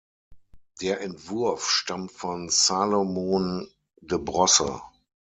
Der Entwurf stammt von Salomon de Brosse.